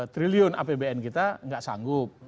triliun apbn kita enggak sanggup